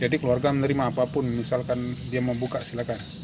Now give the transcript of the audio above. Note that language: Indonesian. jadi keluarga menerima apapun misalkan dia mau buka silakan